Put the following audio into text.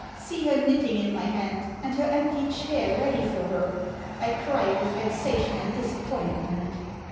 See her knitting in my hand, and her empty chair ready for her. I cry with vexation and disappointment!"